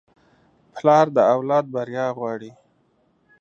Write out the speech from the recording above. پلار د اولاد بریا غواړي.